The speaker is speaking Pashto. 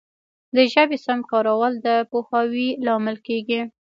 د ژبي سم کارول د پوهاوي لامل کیږي.